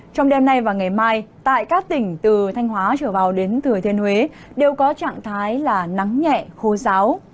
trong đêm nay và ngày mai tại các tỉnh từ thanh hóa trở vào đến thừa thiên huế đều có trạng thái là nắng nhẹ khô giáo